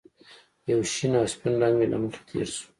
یو شین او سپین رنګ مې له مخې تېر شو